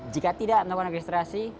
jika tidak melakukan registrasi